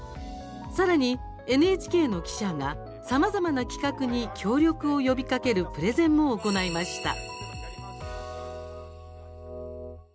さらにＮＨＫの記者がさまざまな企画に協力を呼びかけるプレゼンも行いました。